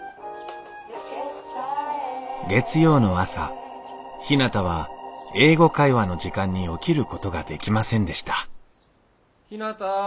月曜の朝ひなたは「英語会話」の時間に起きることができませんでした・ひなた。